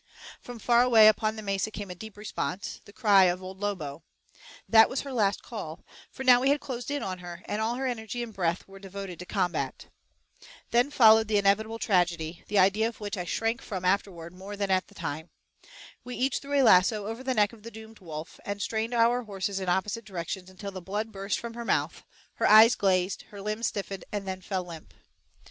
From far away upon the mesa came a deep response, the cry of Old Lobo. That was her last call, for now we had closed in on her, and all her energy and breath were devoted to combat. Then followed the inevitable tragedy, the idea of which I shrank from afterward more than at the time. We each threw a lasso over the neck of the doomed wolf, and strained our horses in opposite directions until the blood burst from her mouth, her eyes glazed, her limbs stiffened and then fell limp.